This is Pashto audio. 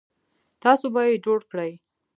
تاسو به یې جوړ کړئ